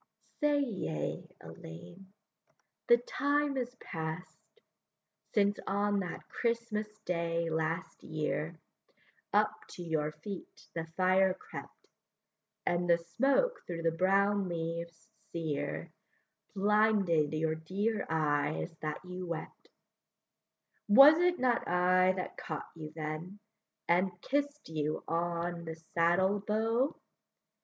Say, yea, Ellayne; the time is past, Since on that Christmas day last year Up to your feet the fire crept, And the smoke through the brown leaves sere Blinded your dear eyes that you wept; Was it not I that caught you then, And kiss'd you on the saddle bow?